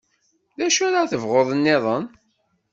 D acu ara tebɣuḍ-nniḍen?